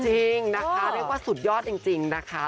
จริงนะคะเรียกว่าสุดยอดจริงนะคะ